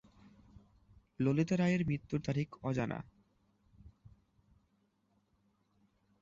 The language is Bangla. ললিতা রায়ের মৃত্যুর তারিখ অজানা।